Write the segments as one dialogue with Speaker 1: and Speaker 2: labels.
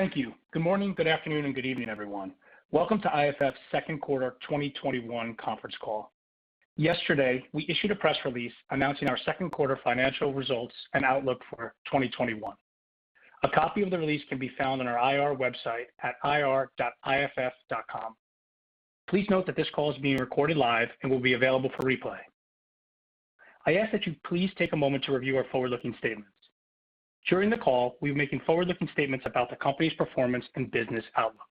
Speaker 1: Thank you. Good morning, good afternoon, and good evening, everyone. Welcome to IFF's second quarter 2021 conference call. Yesterday, we issued a press release announcing our second quarter financial results and outlook for 2021. A copy of the release can be found on our IR website at ir.iff.com. Please note that this call is being recorded live and will be available for replay. I ask that you please take a moment to review our forward-looking statements. During the call, we'll be making forward-looking statements about the company's performance and business outlook.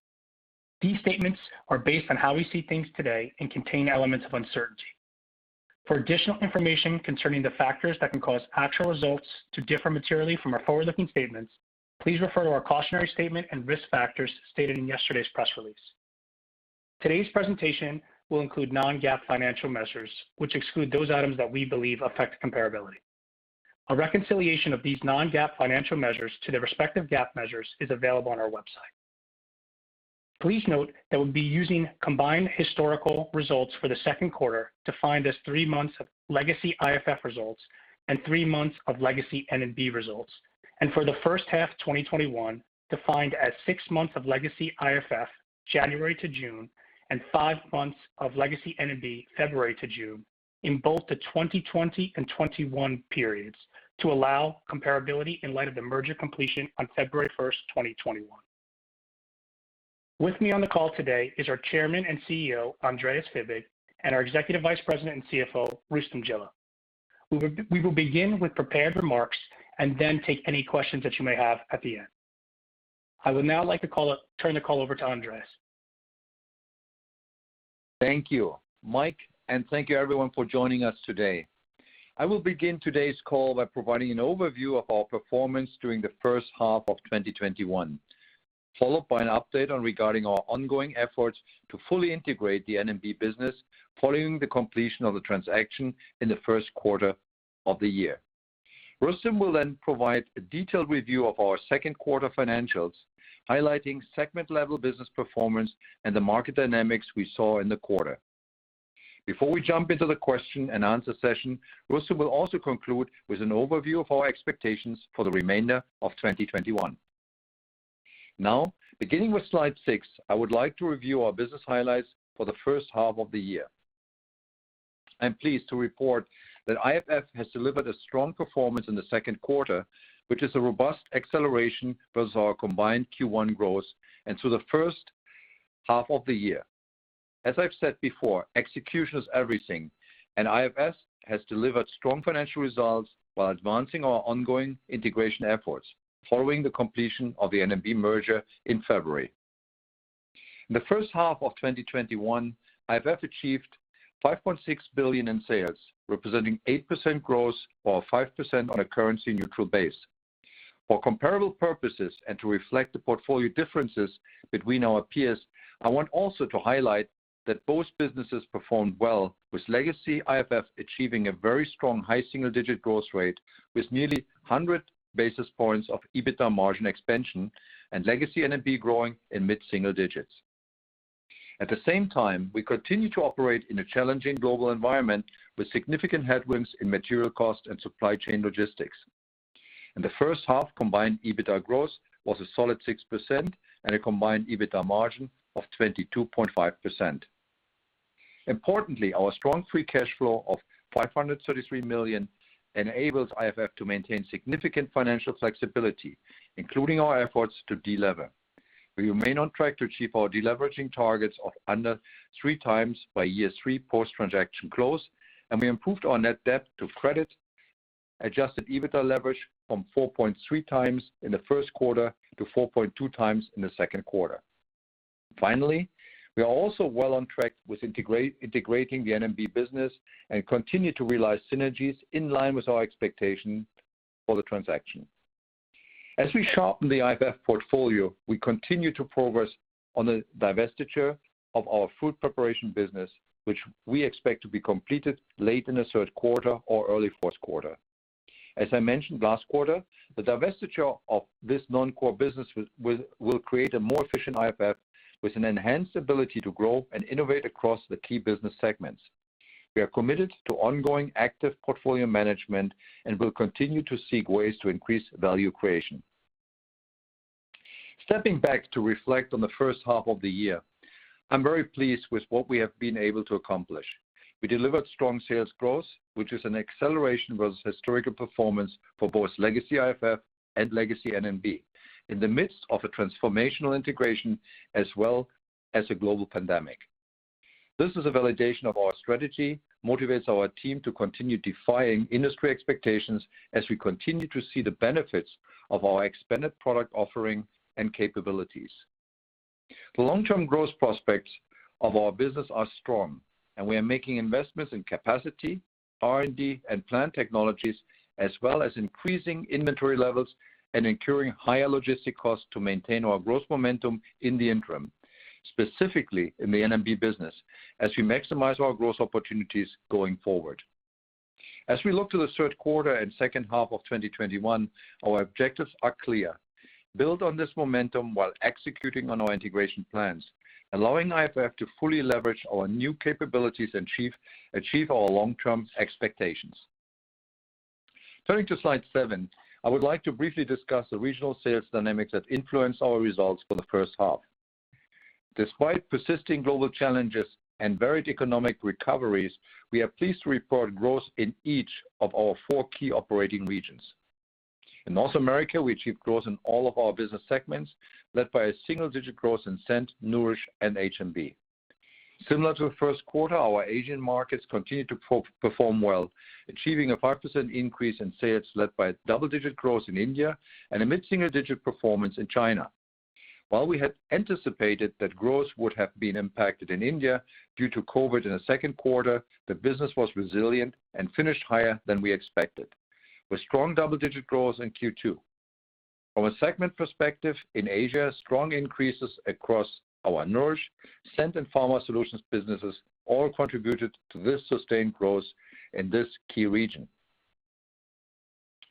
Speaker 1: These statements are based on how we see things today and contain elements of uncertainty. For additional information concerning the factors that can cause actual results to differ materially from our forward-looking statements, please refer to our cautionary statement and risk factors stated in yesterday's press release. Today's presentation will include non-GAAP financial measures, which exclude those items that we believe affect comparability. A reconciliation of these non-GAAP financial measures to their respective GAAP measures is available on our website. Please note that we'll be using combined historical results for the second quarter, defined as three months of legacy IFF results and three months of legacy N&B results, and for the first half 2021, defined as six months of legacy IFF, January to June, and five months of legacy N&B, February to June, in both the 2020 and 2021 periods to allow comparability in light of the merger completion on February 1, 2021. With me on the call today is our Chairman and CEO, Andreas Fibig, and our Executive Vice President and CFO, Rustom Jilla. We will begin with prepared remarks and then take any questions that you may have at the end. I would now like to turn the call over to Andreas.
Speaker 2: Thank you, Mike, and thank you everyone for joining us today. I will begin today's call by providing an overview of our performance during the first half of 2021, followed by an update on regarding our ongoing efforts to fully integrate the N&B business following the completion of the transaction in the first quarter of the year. Rustom will then provide a detailed review of our second quarter financials, highlighting segment-level business performance and the market dynamics we saw in the quarter. Before we jump into the question-and-answer session, Rustom will also conclude with an overview of our expectations for the remainder of 2021. Now, beginning with slide six, I would like to review our business highlights for the first half of the year. I'm pleased to report that IFF has delivered a strong performance in the second quarter, which is a robust acceleration versus our combined Q1 growth, the first half of the year. As I've said before, execution is everything, IFF has delivered strong financial results while advancing our ongoing integration efforts following the completion of the N&B merger in February. In the first half of 2021, IFF achieved $5.6 billion in sales, representing 8% growth, or 5% on a currency neutral base. For comparable purposes, to reflect the portfolio differences between our peers, I want also to highlight that both businesses performed well with legacy IFF achieving a very strong high single-digit growth rate with nearly 100 basis points of EBITDA margin expansion and legacy N&B growing in mid-single digits. At the same time, we continue to operate in a challenging global environment with significant headwinds in material cost and supply chain logistics. In the first half, combined EBITDA growth was a solid 6% and a combined EBITDA margin of 22.5%. Importantly, our strong free cash flow of $533 million enables IFF to maintain significant financial flexibility, including our efforts to de-lever. We remain on track to achieve our de-leveraging targets of under three times by year three post-transaction close. We improved our net debt to credit-adjusted EBITDA leverage from 4.3x in the first quarter to 4.2x in the second quarter. Finally, we are also well on track with integrating the N&B business and continue to realize synergies in line with our expectation for the transaction. As we sharpen the IFF portfolio, we continue to progress on the divestiture of our fruit preparation business, which we expect to be completed late in the third quarter or early fourth quarter. As I mentioned last quarter, the divestiture of this non-core business will create a more efficient IFF with an enhanced ability to grow and innovate across the key business segments. We are committed to ongoing active portfolio management and will continue to seek ways to increase value creation. Stepping back to reflect on the first half of the year, I'm very pleased with what we have been able to accomplish. We delivered strong sales growth, which is an acceleration versus historical performance for both legacy IFF and legacy N&B in the midst of a transformational integration as well as a global pandemic. This is a validation of our strategy, motivates our team to continue defying industry expectations as we continue to see the benefits of our expanded product offering and capabilities. The long-term growth prospects of our business are strong, and we are making investments in capacity, R&D, and plant technologies, as well as increasing inventory levels and incurring higher logistic costs to maintain our growth momentum in the interim, specifically in the N&B business, as we maximize our growth opportunities going forward. As we look to the third quarter and second half of 2021, our objectives are clear. Build on this momentum while executing on our integration plans, allowing IFF to fully leverage our new capabilities and achieve our long-term expectations. Turning to slide seven, I would like to briefly discuss the regional sales dynamics that influence our results for the first half. Despite persisting global challenges and varied economic recoveries, we are pleased to report growth in each of our four key operating regions. In North America, we achieved growth in all of our business segments, led by a single-digit growth in Scent, Nourish, and H&B. Similar to the first quarter, our Asian markets continued to perform well, achieving a 5% increase in sales led by double-digit growth in India and a mid-single digit performance in China. While we had anticipated that growth would have been impacted in India due to COVID in the second quarter, the business was resilient and finished higher than we expected, with strong double-digit growth in Q2. From a segment perspective in Asia, strong increases across our Nourish, Scent, and Pharma Solutions businesses all contributed to this sustained growth in this key region.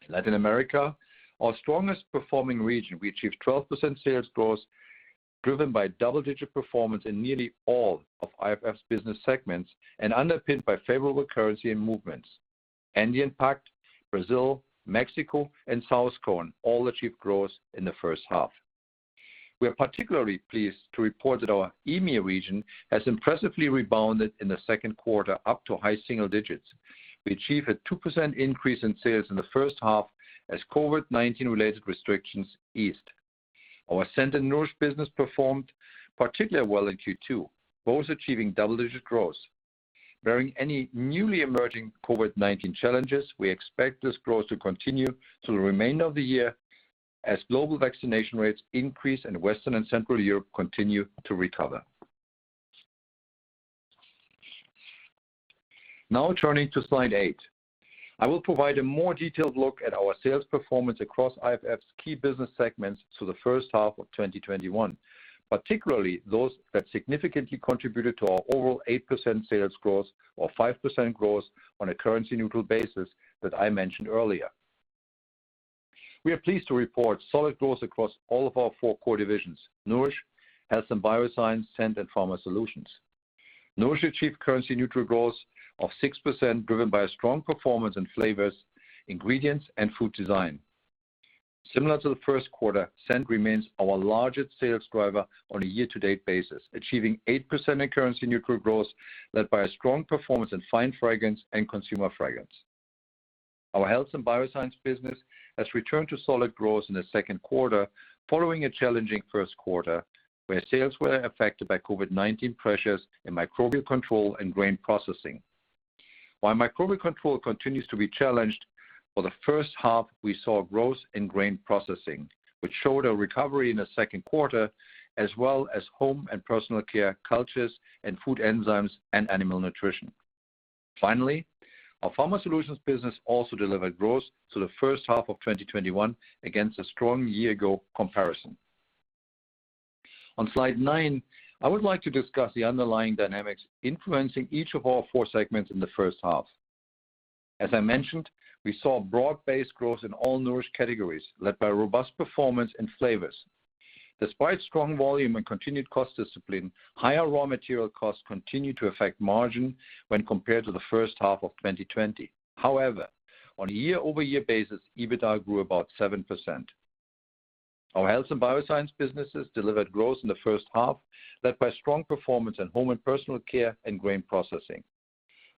Speaker 2: Latin America, our strongest performing region, we achieved 12% sales growth, driven by double-digit performance in nearly all of IFF's business segments and underpinned by favorable currency and movements. Andean Pact, Brazil, Mexico, and South Cone all achieved growth in the first half. We are particularly pleased to report that our EMEA region has impressively rebounded in the second quarter up to high single digits. We achieved a 2% increase in sales in the first half as COVID-19 related restrictions eased. Our Scent and Nourish business performed particularly well in Q2, both achieving double-digit growth. Barring any newly emerging COVID-19 challenges, we expect this growth to continue through the remainder of the year as global vaccination rates increase and Western and Central Europe continue to recover. Now turning to slide eight, I will provide a more detailed look at our sales performance across IFF's key business segments through the first half of 2021, particularly those that significantly contributed to our overall 8% sales growth or 5% growth on a currency neutral basis that I mentioned earlier. We are pleased to report solid growth across all of our four core divisions, Nourish, Health & Biosciences, Scent, and Pharma Solutions. Nourish achieved currency neutral growth of 6%, driven by a strong performance in flavors, ingredients, and Food Designs. Similar to the first quarter, Scent remains our largest sales driver on a year-to-date basis, achieving 8% in currency neutral growth, led by a strong performance in Fine Fragrance and Consumer Fragrance. Our Health & Biosciences business has returned to solid growth in the second quarter following a challenging first quarter where sales were affected by COVID-19 pressures in Microbial Control and Grain Processing. While Microbial Control continues to be challenged, for the first half, we saw growth in Grain Processing, which showed a recovery in the second quarter as well as Home & Personal Care, Cultures, and Food Enzymes, and Animal Nutrition. Finally, our Pharma Solutions business also delivered growth through the first half of 2021 against a strong year ago comparison. On slide nine, I would like to discuss the underlying dynamics influencing each of our four segments in the first half. As I mentioned, we saw broad-based growth in all Nourish categories, led by robust performance in flavors. Despite strong volume and continued cost discipline, higher raw material costs continue to affect margin when compared to the first half of 2020. On a year-over-year basis, EBITDA grew about 7%. Our Health & Biosciences businesses delivered growth in the first half, led by strong performance in Home & Personal Care and Grain Processing.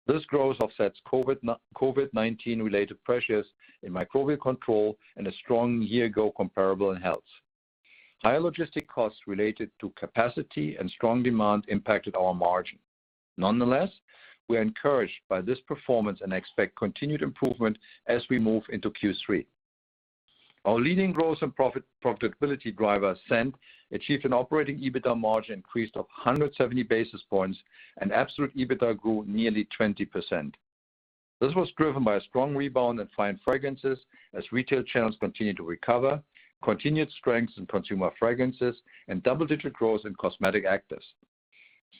Speaker 2: This growth offsets COVID-19 related pressures in Microbial Control and a strong year ago comparable in Health & Biosciences. Higher logistic costs related to capacity and strong demand impacted our margin. We're encouraged by this performance and expect continued improvement as we move into Q3. Our leading growth and profitability driver, Scent, achieved an operating EBITDA margin increase of 170 basis points and absolute EBITDA grew nearly 20%. This was driven by a strong rebound in Fine Fragrances as retail channels continue to recover, continued strength in Consumer Fragrances, and double-digit growth in Cosmetic Actives.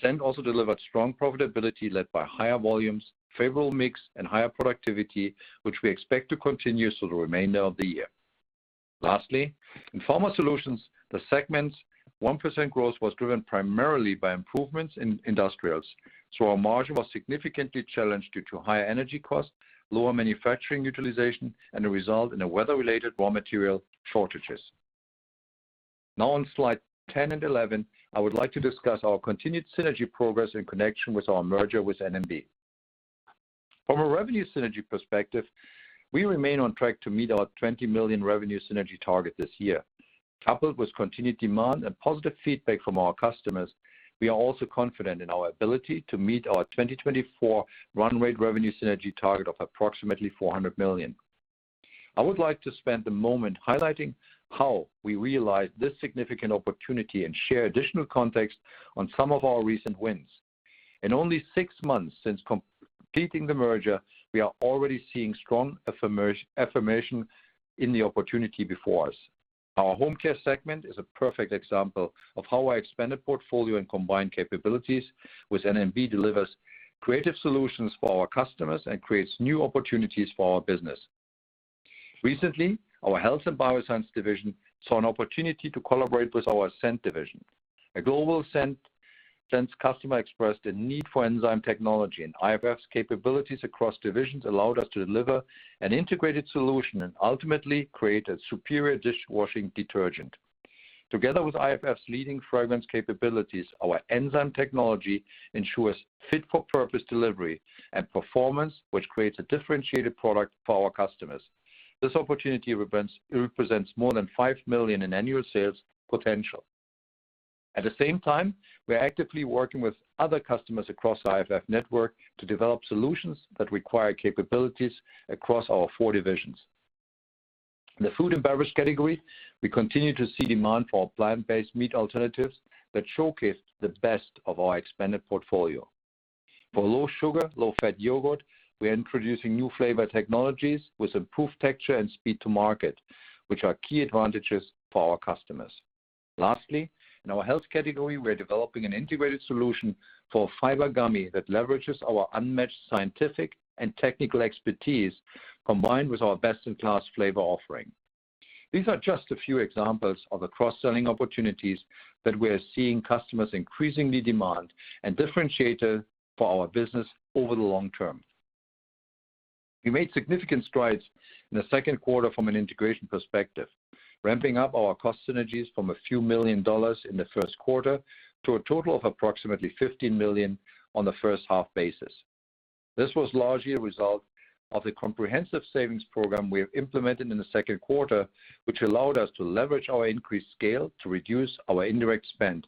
Speaker 2: Scent also delivered strong profitability led by higher volumes, favorable mix, and higher productivity, which we expect to continue through the remainder of the year. Lastly, in Pharma Solutions, the segment's 1% growth was driven primarily by improvements in industrials. Our margin was significantly challenged due to higher energy costs, lower manufacturing utilization, and a result in the weather-related raw material shortages. On slide 10 and 11, I would like to discuss our continued synergy progress in connection with our merger with N&B. From a revenue synergy perspective, we remain on track to meet our $20 million revenue synergy target this year. Coupled with continued demand and positive feedback from our customers, we are also confident in our ability to meet our 2024 run rate revenue synergy target of approximately $400 million. I would like to spend a moment highlighting how we realized this significant opportunity and share additional context on some of our recent wins. In only six months since completing the merger, we are already seeing strong affirmation in the opportunity before us. Our home care segment is a perfect example of how our expanded portfolio and combined capabilities with N&B delivers creative solutions for our customers and creates new opportunities for our business. Recently, our Health & Biosciences division saw an opportunity to collaborate with our Scent division. A global scent customer expressed a need for enzyme technology, and IFF's capabilities across divisions allowed us to deliver an integrated solution and ultimately create a superior dishwashing detergent. Together with IFF's leading fragrance capabilities, our enzyme technology ensures fit-for-purpose delivery and performance, which creates a differentiated product for our customers. This opportunity represents more than $5 million in annual sales potential. At the same time, we are actively working with other customers across the IFF network to develop solutions that require capabilities across our four divisions. In the food and beverage category, we continue to see demand for plant-based meat alternatives that showcase the best of our expanded portfolio. For low-sugar, low-fat yogurt, we are introducing new flavor technologies with improved texture and speed to market, which are key advantages for our customers. Lastly, in our health category, we are developing an integrated solution for a fiber gummy that leverages our unmatched scientific and technical expertise, combined with our best-in-class flavor offering. These are just a few examples of the cross-selling opportunities that we are seeing customers increasingly demand and differentiate for our business over the long term. We made significant strides in the second quarter from an integration perspective, ramping up our cost synergies from a few million dollars in the first quarter to a total of approximately $15 million on the first half basis. This was largely a result of the comprehensive savings program we have implemented in the second quarter, which allowed us to leverage our increased scale to reduce our indirect spend,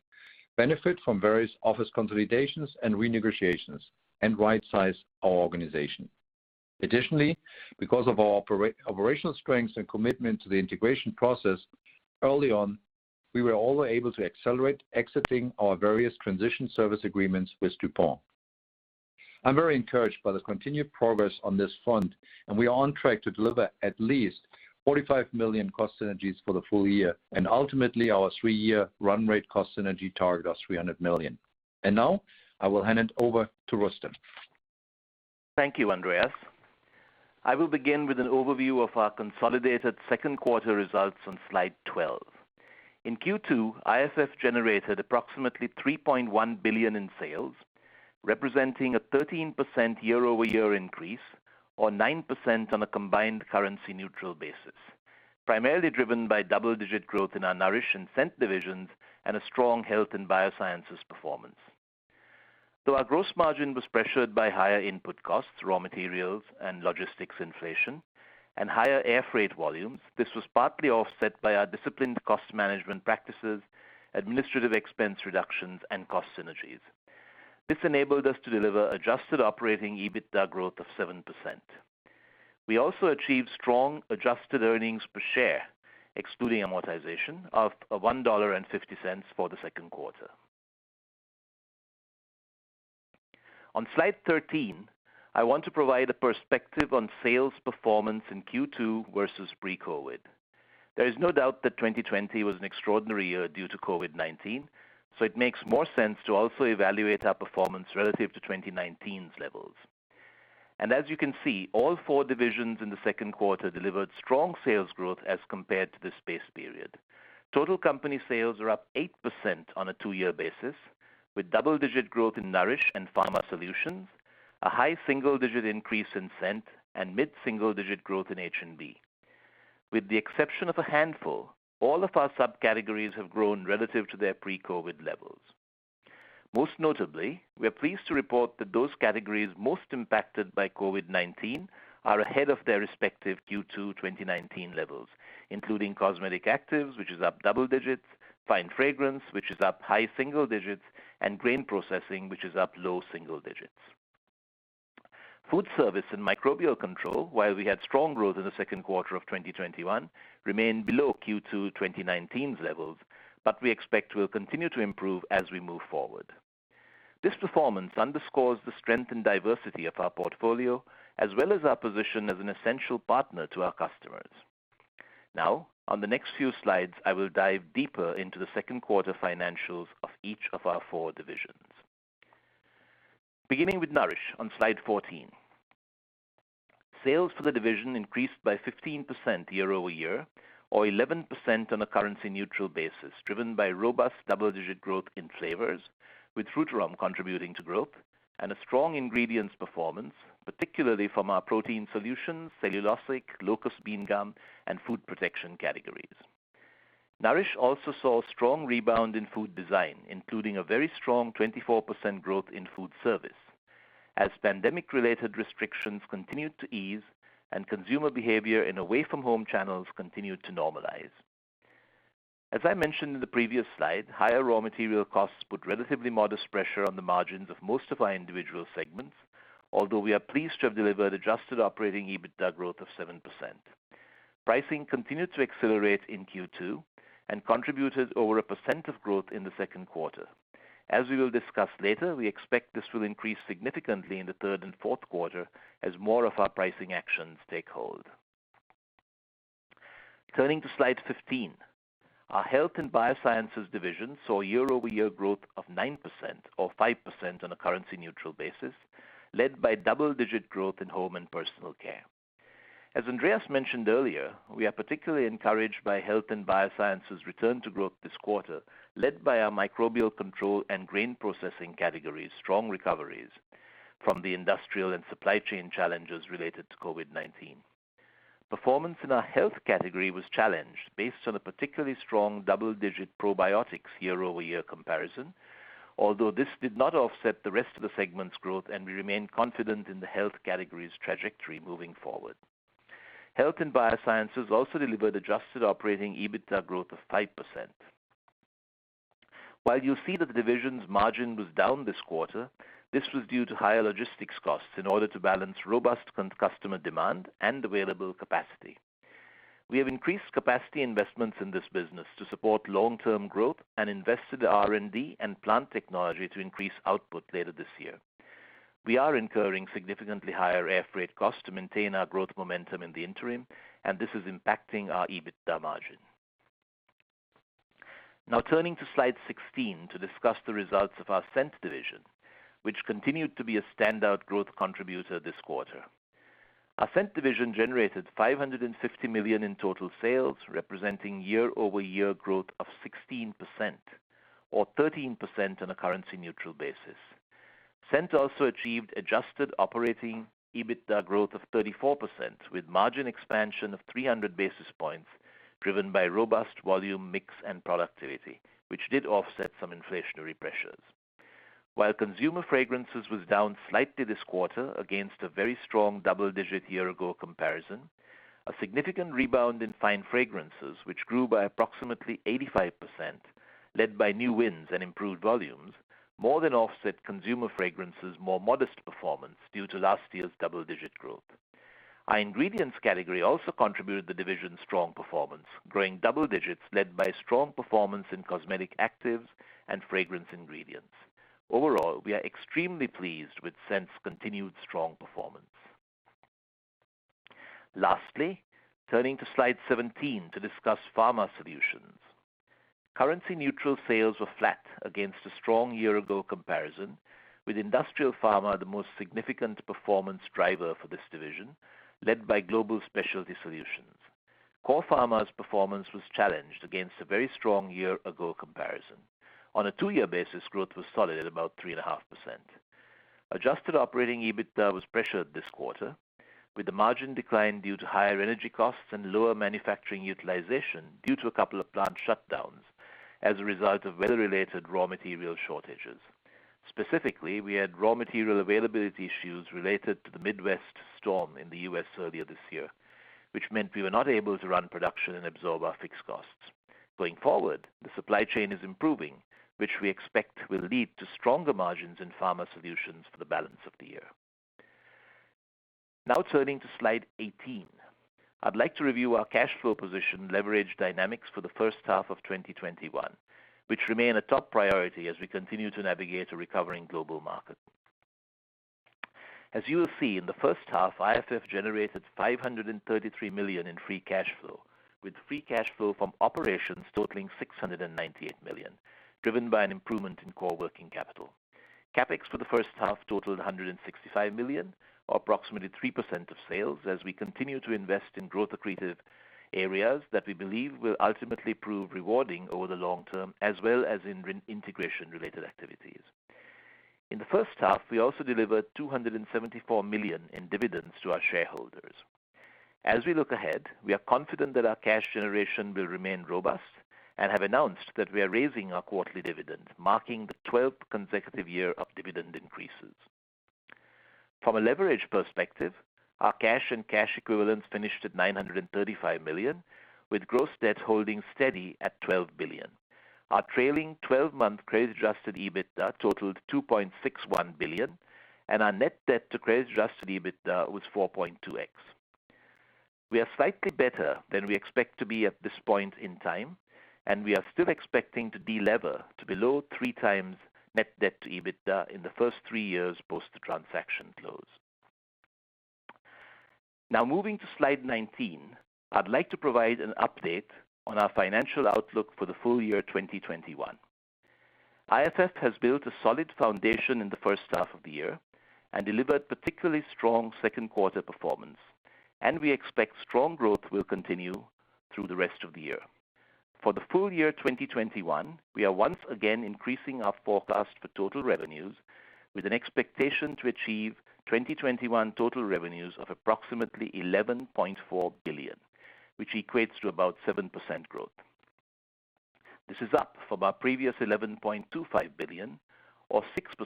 Speaker 2: benefit from various office consolidations and renegotiations, and rightsize our organization. Additionally, because of our operational strengths and commitment to the integration process early on, we were also able to accelerate exiting our various transition service agreements with DuPont. I'm very encouraged by the continued progress on this front. We are on track to deliver at least $45 million cost synergies for the full year, and ultimately, our three-year run rate cost synergy target of $300 million. Now I will hand it over to Rustom.
Speaker 3: Thank you, Andreas. I will begin with an overview of our consolidated second quarter results on slide 12. In Q2, IFF generated approximately $3.1 billion in sales, representing a 13% year-over-year increase or 9% on a combined currency-neutral basis, primarily driven by double-digit growth in our Nourish and Scent divisions and a strong Health & Biosciences performance. Our gross margin was pressured by higher input costs, raw materials, and logistics inflation, and higher air freight volumes, this was partly offset by our disciplined cost management practices, administrative expense reductions, and cost synergies. This enabled us to deliver adjusted operating EBITDA growth of 7%. We also achieved strong adjusted earnings per share, excluding amortization, of $1.50 for the second quarter. On slide 13, I want to provide a perspective on sales performance in Q2 versus pre-COVID. There is no doubt that 2020 was an extraordinary year due to COVID-19, so it makes more sense to also evaluate our performance relative to 2019's levels. As you can see, all four divisions in the second quarter delivered strong sales growth as compared to this base period. Total company sales are up 8% on a two-year basis, with double-digit growth in Nourish and Pharma Solutions, a high single-digit increase in Scent, and mid-single-digit growth in H&B. With the exception of a handful, all of our sub-categories have grown relative to their pre-COVID levels. Most notably, we are pleased to report that those categories most impacted by COVID-19 are ahead of their respective Q2 2019 levels, including Cosmetic Actives, which is up double digits, Fine Fragrance, which is up high single digits, and Grain Processing, which is up low single digits. Foodservice and Microbial Control, while we had strong growth in the second quarter of 2021, remain below Q2 2019's levels, but we expect will continue to improve as we move forward. This performance underscores the strength and diversity of our portfolio, as well as our position as an essential partner to our customers. On the next few slides, I will dive deeper into the second quarter financials of each of our four divisions. Beginning with Nourish on slide 14. Sales for the division increased by 15% year-over-year or 11% on a currency-neutral basis, driven by robust double-digit growth in flavors, with Frutarom contributing to growth and a strong ingredients performance, particularly from our Protein Solutions, cellulosics, locust bean gum, and food protection categories. Nourish also saw a strong rebound in Food Designs, including a very strong 24% growth in foodservice as pandemic-related restrictions continued to ease and consumer behavior in away-from-home channels continued to normalize. As I mentioned in the previous slide, higher raw material costs put relatively modest pressure on the margins of most of our individual segments, although we are pleased to have delivered adjusted operating EBITDA growth of 7%. Pricing continued to accelerate in Q2 and contributed over a percent of growth in the second quarter. As we will discuss later, we expect this will increase significantly in the third and fourth quarter as more of our pricing actions take hold. Turning to slide 15. Our Health & Biosciences division saw year-over-year growth of 9%, or 5% on a currency-neutral basis, led by double-digit growth in Home & Personal Care. As Andreas mentioned earlier, we are particularly encouraged by Health & Biosciences' return to growth this quarter, led by our Microbial Control and Grain Processing categories' strong recoveries from the industrial and supply chain challenges related to COVID-19. Performance in our health category was challenged based on a particularly strong double-digit probiotics year-over-year comparison, although this did not offset the rest of the segment's growth, and we remain confident in the health category's trajectory moving forward. Health & Biosciences also delivered adjusted operating EBITDA growth of 5%. While you'll see that the division's margin was down this quarter, this was due to higher logistics costs in order to balance robust customer demand and available capacity. We have increased capacity investments in this business to support long-term growth and invested R&D and plant technology to increase output later this year. We are incurring significantly higher air freight costs to maintain our growth momentum in the interim. This is impacting our EBITDA margin. Turning to slide 16 to discuss the results of our Scent division, which continued to be a standout growth contributor this quarter. Our Scent division generated $550 million in total sales, representing year-over-year growth of 16%, or 13% on a currency-neutral basis. Scent also achieved adjusted operating EBITDA growth of 34%, with margin expansion of 300 basis points driven by robust volume mix and productivity, which did offset some inflationary pressures. While Consumer Fragrances was down slightly this quarter against a very strong double-digit year-ago comparison, a significant rebound in Fine Fragrances, which grew by approximately 85%, led by new wins and improved volumes, more than offset Consumer Fragrances' more modest performance due to last year's double-digit growth. Our ingredients category also contributed the division's strong performance, growing double digits led by strong performance in Cosmetic Actives and Fragrance Ingredients. Overall, we are extremely pleased with Scent's continued strong performance. Turning to slide 17 to discuss Pharma Solutions. Currency-neutral sales were flat against a strong year-ago comparison, with Industrial Pharma the most significant performance driver for this division, led by Global Specialty Solutions. Core Pharma's performance was challenged against a very strong year-ago comparison. On a two-year basis, growth was solid at about 3.5%. Adjusted operating EBITDA was pressured this quarter, with the margin decline due to higher energy costs and lower manufacturing utilization due to a couple of plant shutdowns as a result of weather-related raw material shortages. Specifically, we had raw material availability issues related to the Midwest storm in the U.S. earlier this year, which meant we were not able to run production and absorb our fixed costs. Going forward, the supply chain is improving, which we expect will lead to stronger margins in Pharma Solutions for the balance of the year. Now turning to slide 18. I'd like to review our cash flow position leverage dynamics for the first half of 2021, which remain a top priority as we continue to navigate a recovering global market. As you will see, in the first half, IFF generated $533 million in free cash flow, with free cash flow from operations totaling $698 million, driven by an improvement in core working capital. CapEx for the first half totaled $165 million, or approximately 3% of sales, as we continue to invest in growth-accretive areas that we believe will ultimately prove rewarding over the long term, as well as in integration-related activities. In the first half, we also delivered $274 million in dividends to our shareholders. We look ahead, we are confident that our cash generation will remain robust and have announced that we are raising our quarterly dividend, marking the 12th consecutive year of dividend increases. From a leverage perspective, our cash and cash equivalents finished at $935 million, with gross debt holding steady at $12 billion. Our trailing 12-month credit-adjusted EBITDA totaled $2.61 billion, and our net debt to credit-adjusted EBITDA was 4.2x. We are slightly better than we expect to be at this point in time, and we are still expecting to de-lever to below 3x net debt to EBITDA in the first three years post the transaction close. Moving to slide 19. I'd like to provide an update on our financial outlook for the full year 2021. IFF has built a solid foundation in the first half of the year and delivered particularly strong second quarter performance, and we expect strong growth will continue through the rest of the year. For the full year 2021, we are once again increasing our forecast for total revenues with an expectation to achieve 2021 total revenues of approximately $11.4 billion, which equates to about 7% growth. This is up from our previous $11.25 billion, or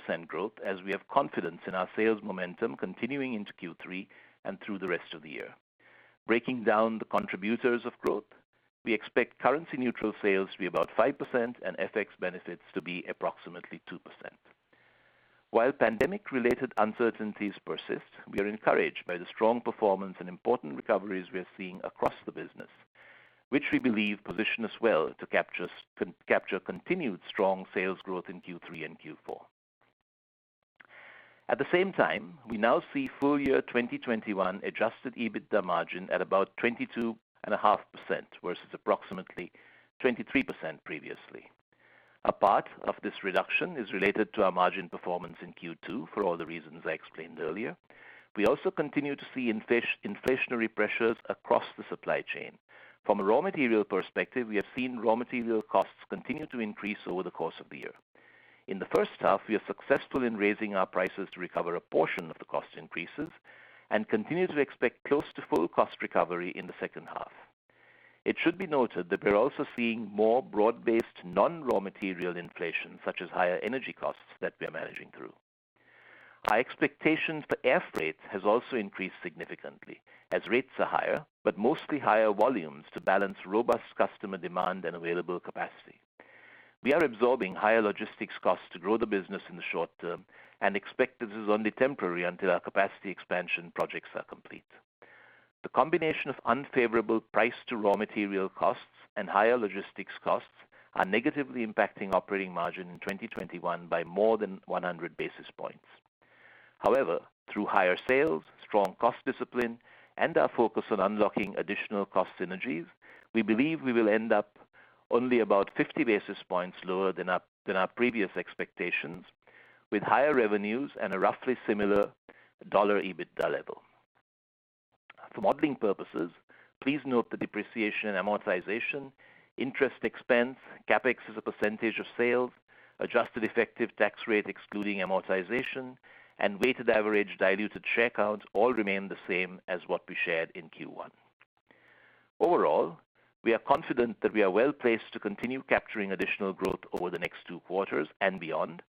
Speaker 3: 6% growth, as we have confidence in our sales momentum continuing into Q3 and through the rest of the year. Breaking down the contributors of growth, we expect currency-neutral sales to be about 5% and FX benefits to be approximately 2%. While pandemic-related uncertainties persist, we are encouraged by the strong performance and important recoveries we are seeing across the business, which we believe position us well to capture continued strong sales growth in Q3 and Q4. At the same time, we now see full year 2021 adjusted EBITDA margin at about 22.5%, versus approximately 23% previously. A part of this reduction is related to our margin performance in Q2 for all the reasons I explained earlier. We also continue to see inflationary pressures across the supply chain. From a raw material perspective, we have seen raw material costs continue to increase over the course of the year. In the first half, we are successful in raising our prices to recover a portion of the cost increases, and continue to expect close to full cost recovery in the second half. It should be noted that we're also seeing more broad-based non-raw material inflation, such as higher energy costs that we are managing through. Our expectations for air freight has also increased significantly as rates are higher, but mostly higher volumes to balance robust customer demand and available capacity. We are absorbing higher logistics costs to grow the business in the short term and expect this is only temporary until our capacity expansion projects are complete. The combination of unfavorable price to raw material costs and higher logistics costs are negatively impacting operating margin in 2021 by more than 100 basis points. Through higher sales, strong cost discipline, and our focus on unlocking additional cost synergies, we believe we will end up only about 50 basis points lower than our previous expectations, with higher revenues and a roughly similar dollar EBITDA level. For modeling purposes, please note the depreciation and amortization, interest expense, CapEx as a percentage of sales, adjusted effective tax rate excluding amortization, and weighted average diluted share count all remain the same as what we shared in Q1. We are confident that we are well-placed to continue capturing additional growth over the next two quarters and beyond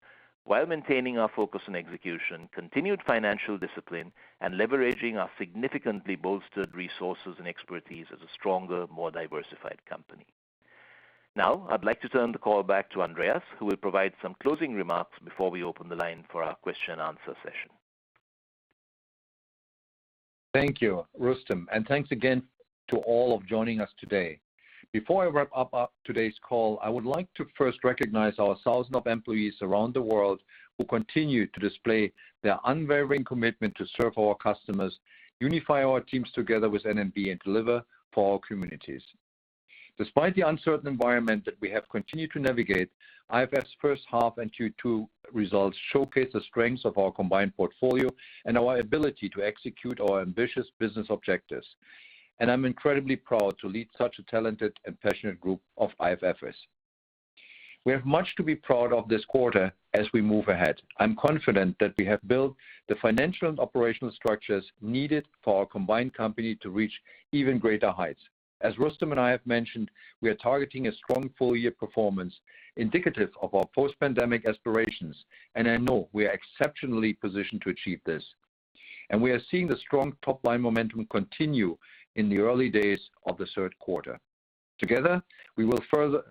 Speaker 3: while maintaining our focus on execution, continued financial discipline, and leveraging our significantly bolstered resources and expertise as a stronger, more diversified company. I'd like to turn the call back to Andreas, who will provide some closing remarks before we open the line for our question and answer session.
Speaker 2: Thank you, Rustom, and thanks again to all of joining us today. Before I wrap up today's call, I would like to first recognize our thousands of employees around the world who continue to display their unwavering commitment to serve our customers, unify our teams together with N&B, and deliver for our communities. Despite the uncertain environment that we have continued to navigate, IFF's first half and Q2 results showcase the strengths of our combined portfolio and our ability to execute our ambitious business objectives, and I'm incredibly proud to lead such a talented and passionate group of IFFers. We have much to be proud of this quarter as we move ahead. I'm confident that we have built the financial and operational structures needed for our combined company to reach even greater heights. As Rustom and I have mentioned, we are targeting a strong full-year performance indicative of our post-pandemic aspirations, and I know we are exceptionally positioned to achieve this, and we are seeing the strong top-line momentum continue in the early days of the third quarter. Together, we will further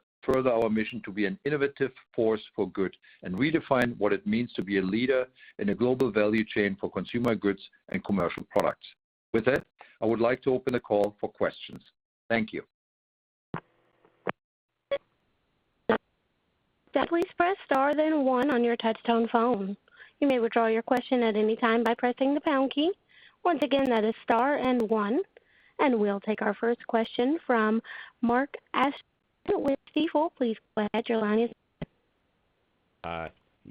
Speaker 2: our mission to be an innovative force for good and redefine what it means to be a leader in a global value chain for consumer goods and commercial products. With that, I would like to open the call for questions. Thank you.
Speaker 4: We'll take our first question from Mark Astrachan with Stifel. Please go ahead.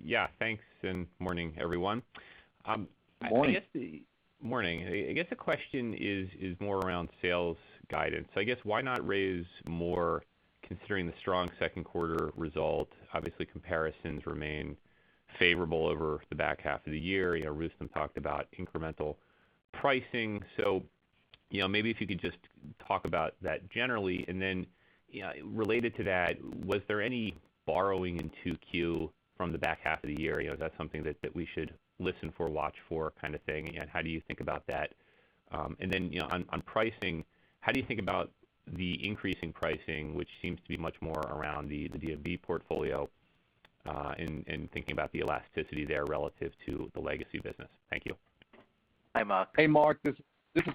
Speaker 5: Yeah, thanks. Morning, everyone.
Speaker 2: Morning.
Speaker 5: Morning. I guess the question is more around sales guidance. I guess why not raise more considering the strong second quarter result? Obviously, comparisons remain favorable over the back half of the year. Rustom Jilla talked about incremental pricing. Maybe if you could just talk about that generally. Related to that, was there any borrowing in 2Q from the back half of the year? Is that something that we should listen for, watch for kind of thing? How do you think about that? On pricing, how do you think about the increase in pricing, which seems to be much more around the N&B portfolio, in thinking about the elasticity there relative to the legacy business? Thank you.
Speaker 3: Hi, Mark.
Speaker 2: Hey, Mark. This is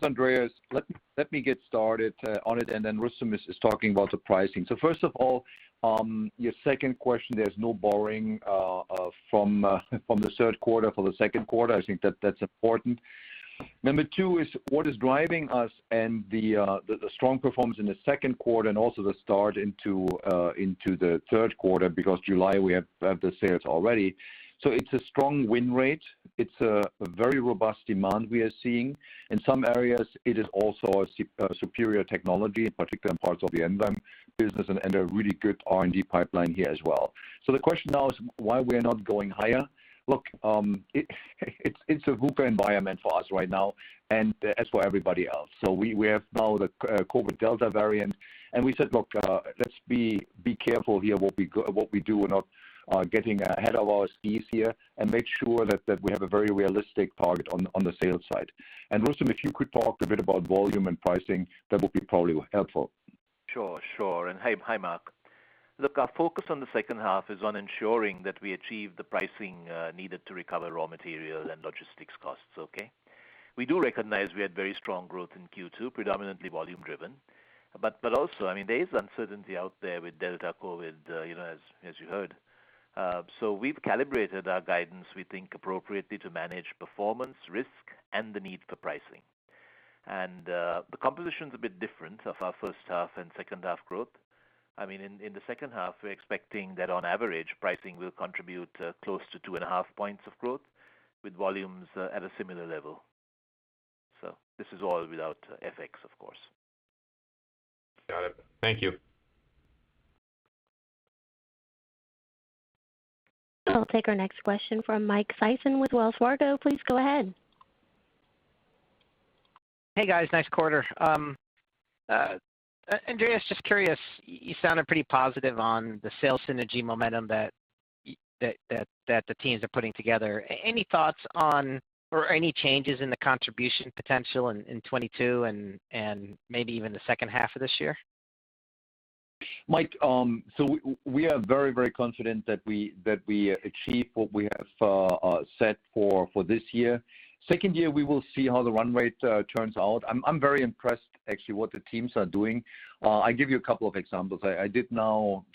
Speaker 2: Andreas. Let me get started on it, and then Rustom is talking about the pricing. First of all, your second question, there's no borrowing from the third quarter for the second quarter. I think that that's important. Number two is what is driving us and the strong performance in the second quarter and also the start into the third quarter, because July we have the sales already. It's a strong win rate. It's a very robust demand we are seeing. In some areas, it is also a superior technology in particular parts of the environment business and a really good R&D pipeline here as well. The question now is why we're not going higher. Look, it's a VUCA environment for us right now, and as for everybody else. We have now the COVID Delta variant, and we said, "Look, let's be careful here what we do. We're not getting ahead of ourselves here and make sure that we have a very realistic target on the sales side." Rustom, if you could talk a bit about volume and pricing, that would be probably helpful.
Speaker 3: Sure. Hi, Mark. Our focus on the second half is on ensuring that we achieve the pricing needed to recover raw material and logistics costs. Okay. We do recognize we had very strong growth in Q2, predominantly volume-driven. Also, there is uncertainty out there with Delta COVID, as you heard. We've calibrated our guidance, we think, appropriately to manage performance risk and the need for pricing. The composition's a bit different of our first half and second half growth. In the second half, we're expecting that on average, pricing will contribute close to two and a half points of growth, with volumes at a similar level. This is all without FX, of course.
Speaker 5: Got it. Thank you.
Speaker 4: I'll take our next question from Mike Sison with Wells Fargo. Please go ahead.
Speaker 6: Hey, guys. Nice quarter. Andreas, just curious, you sounded pretty positive on the sales synergy momentum that the teams are putting together. Any thoughts on or any changes in the contribution potential in 2022 and maybe even the second half of this year?
Speaker 2: Mike, we are very confident that we achieve what we have set for this year. Second year, we will see how the run rate turns out. I'm very impressed, actually, what the teams are doing. I give you a couple of examples.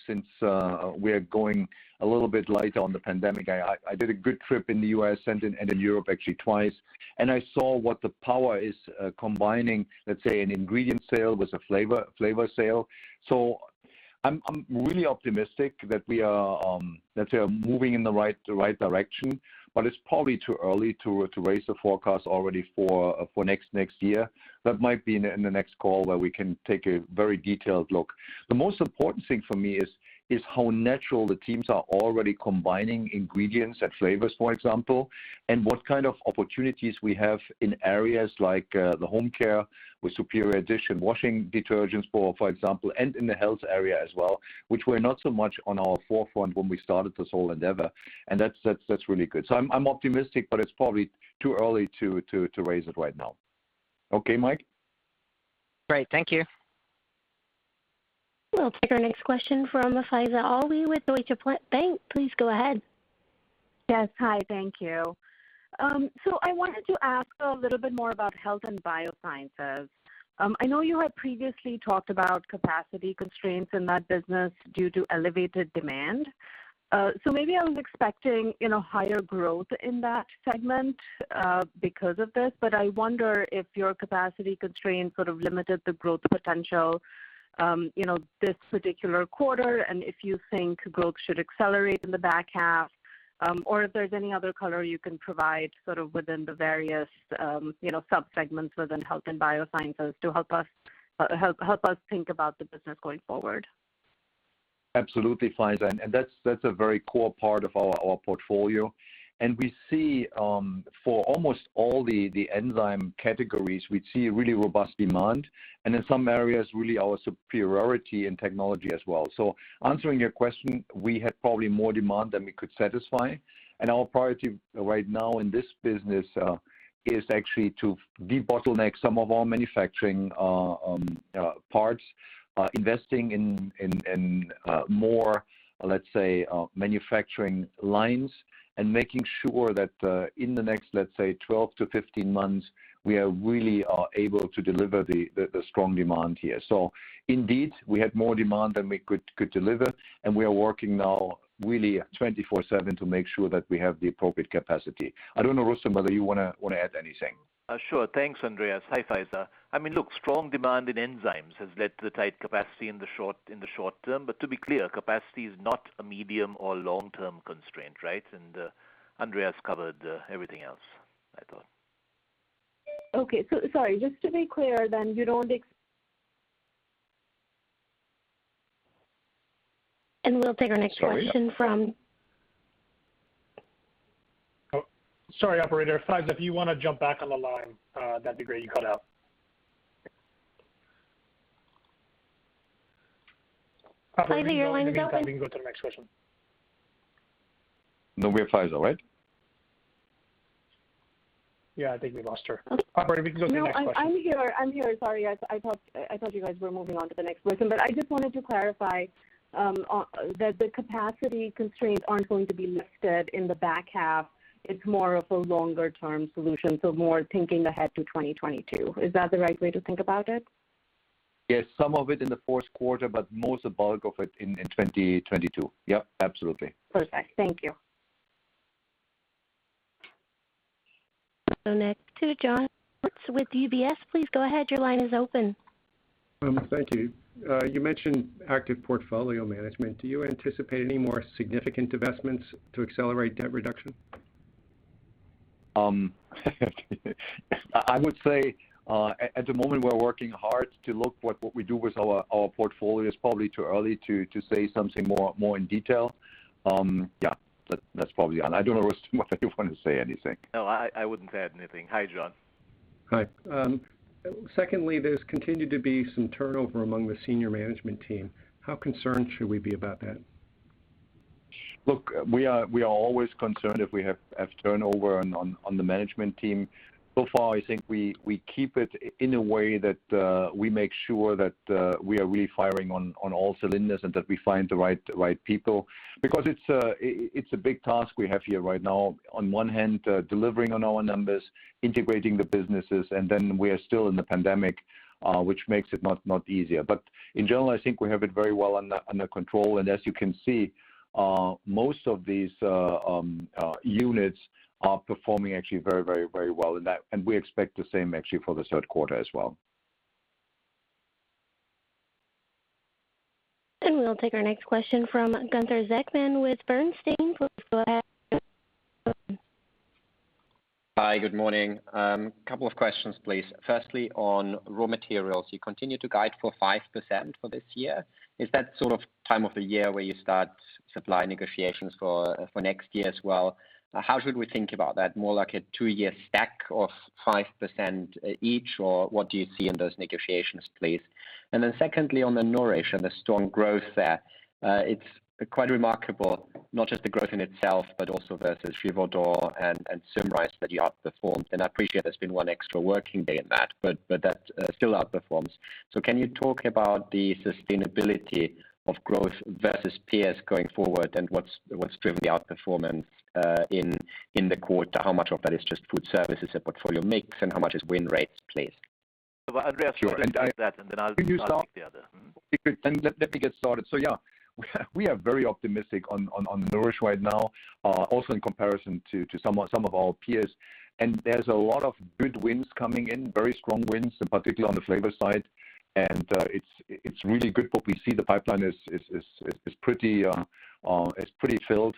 Speaker 2: Since we're going a little bit light on the pandemic, I did a good trip in the U.S. and in Europe, actually, twice. I saw what the power is combining, let's say, an ingredient sale with a flavor sale. I'm really optimistic that we are moving in the right direction, but it's probably too early to raise the forecast already for next year. That might be in the next call where we can take a very detailed look. The most important thing for me is how natural the teams are already combining ingredients and flavors, for example, and what kind of opportunities we have in areas like the home care with Superior dishwashing detergents, for example, and in the health area as well, which were not so much on our forefront when we started this whole endeavor. That's really good. I'm optimistic, but it's probably too early to raise it right now. Okay, Mike?
Speaker 6: Great. Thank you.
Speaker 4: We'll take our next question from Faiza Alwy with Deutsche Bank. Please go ahead.
Speaker 7: Yes. Hi, thank you. I wanted to ask a little bit more about Health & Biosciences. I know you had previously talked about capacity constraints in that business due to elevated demand. Maybe I was expecting higher growth in that segment because of this, but I wonder if your capacity constraints sort of limited the growth potential this particular quarter, and if you think growth should accelerate in the back half, or if there's any other color you can provide sort of within the various sub-segments within Health & Biosciences to help us think about the business going forward.
Speaker 2: Absolutely, Faiza, that's a very core part of our portfolio. For almost all the enzyme categories, we see really robust demand, and in some areas, really our superiority in technology as well. Answering your question, we had probably more demand than we could satisfy, and our priority right now in this business is actually to debottleneck some of our manufacturing parts, investing in more manufacturing lines, and making sure that in the next 12-15 months, we are really able to deliver the strong demand here. Indeed, we had more demand than we could deliver, and we are working now really 24/7 to make sure that we have the appropriate capacity. I don't know, Rustom, whether you want to add anything.
Speaker 3: Sure. Thanks, Andreas. Hi, Faiza. Look, strong demand in enzymes has led to the tight capacity in the short term, but to be clear, capacity is not a medium or long-term constraint, right? Andreas covered everything else, I thought.
Speaker 7: Okay. Sorry, just to be clear then, you don't.
Speaker 4: We'll take our next question from.
Speaker 1: Sorry, operator. Faiza, if you want to jump back on the line, that'd be great. You cut out.
Speaker 4: Faiza, your line's open.
Speaker 1: I think we can go to the next question.
Speaker 2: No, we have Faiza, right?
Speaker 1: Yeah, I think we lost her. Operator, we can go to the next question.
Speaker 7: No, I'm here. Sorry, guys. I thought you guys were moving on to the next person. I just wanted to clarify that the capacity constraints aren't going to be lifted in the back half. It's more of a longer-term solution. More thinking ahead to 2022. Is that the right way to think about it?
Speaker 2: Yes, some of it in the fourth quarter, but most of the bulk of it in 2022. Yep, absolutely.
Speaker 7: Perfect. Thank you.
Speaker 4: Next to John Roberts with UBS. Please go ahead. Your line is open.
Speaker 8: Thank you. You mentioned active portfolio management. Do you anticipate any more significant investments to accelerate debt reduction?
Speaker 2: I would say, at the moment, we're working hard to look what we do with our portfolios. Probably too early to say something more in detail. Yeah. That's probably all. I don't know, Rustom, if you want to say anything.
Speaker 3: No, I wouldn't add anything. Hi, John.
Speaker 8: Hi. Secondly, there's continued to be some turnover among the senior management team. How concerned should we be about that?
Speaker 2: We are always concerned if we have turnover on the management team. So far, I think we keep it in a way that we make sure that we are really firing on all cylinders and that we find the right people because it's a big task we have here right now. On one hand, delivering on our numbers, integrating the businesses, and then we are still in the pandemic, which makes it not easier. In general, I think we have it very well under control, and as you can see, most of these units are performing actually very well. We expect the same actually for the third quarter as well.
Speaker 4: We'll take our next question from Gunther Zechmann with Bernstein. Please go ahead.
Speaker 9: Hi, good morning. A couple of questions, please. Firstly, on raw materials, you continue to guide for 5% for this year. Is that sort of time of the year where you start supply negotiations for next year as well? How should we think about that? More like a two-year stack of 5% each, or what do you see in those negotiations, please? Secondly, on the Nourish and the strong growth there, it is quite remarkable, not just the growth in itself, but also versus Givaudan and Symrise that you outperformed. I appreciate there has been one extra working day in that, but that still outperforms. Can you talk about the sustainability of growth versus peers going forward and what has driven the outperformance in the quarter? How much of that is just food services that portfolio mix, and how much is win rates, please?
Speaker 3: Andreas, why don't you take that and I'll give you the other.
Speaker 2: Let me get started. Yeah, we are very optimistic on Nourish right now. Also in comparison to some of our peers. There's a lot of good wins coming in, very strong wins, particularly on the flavor side. It's really good what we see the pipeline is pretty filled.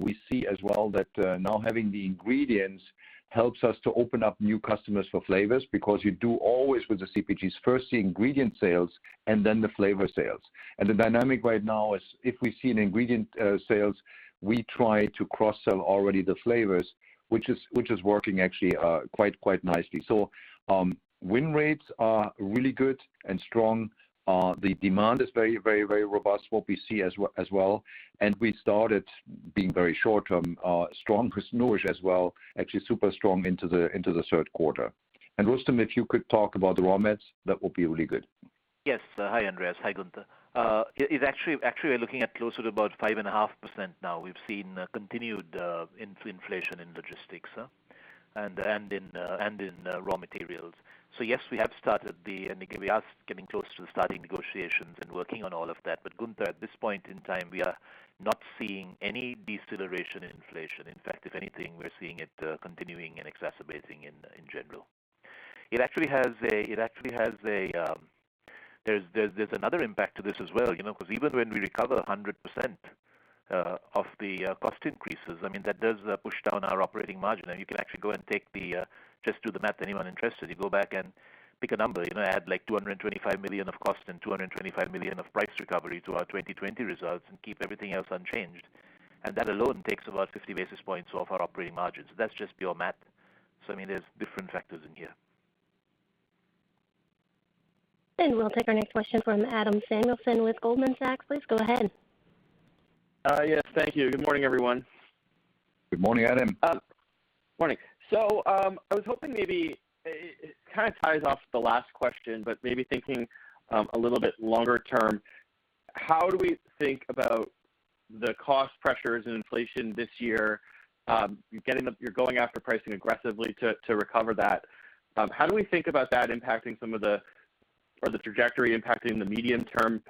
Speaker 2: We see as well that now having the ingredients helps us to open up new customers for flavors because you do always with the CPGs, first the ingredient sales and the flavor sales. The dynamic right now is if we see an ingredient sales, we try to cross-sell already the flavors, which is working actually quite nicely. Win rates are really good and strong. The demand is very robust, what we see as well. We started being very short-term strong with Nourish as well, actually super strong into the third quarter. Rustom, if you could talk about the raw mats, that would be really good.
Speaker 3: Yes. Hi, Andreas. Hi, Gunther. Actually, we're looking at closer to about 5.5% now. We've seen continued inflation in logistics and in raw materials. Yes, we have started We are getting close to starting negotiations and working on all of that. Gunther, at this point in time, we are not seeing any deceleration in inflation. In fact, if anything, we're seeing it continuing and exacerbating in general. There's another impact to this as well, because even when we recover 100% of the cost increases, that does push down our operating margin. Now you can actually go and just do the math, anyone interested, you go back and pick a number. Add like $225 million of cost and $225 million of price recovery to our 2020 results and keep everything else unchanged. That alone takes about 50 basis points off our operating margin. That's just pure math. There's different factors in here.
Speaker 4: We'll take our next question from Adam Samuelson with Goldman Sachs. Please go ahead.
Speaker 10: Yes. Thank you. Good morning, everyone.
Speaker 2: Good morning, Adam.
Speaker 10: Morning. I was hoping maybe it kind of ties off the last question, but maybe thinking a little bit longer term, how do we think about the cost pressures and inflation this year? You're going after pricing aggressively to recover that. How do we think about that impacting some of the, or the trajectory impacting the medium-term